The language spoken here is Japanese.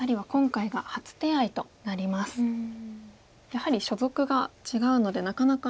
やはり所属が違うのでなかなか。